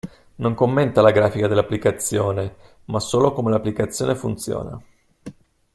Non commenta la grafica dell'applicazione ma solo come l'applicazione funziona.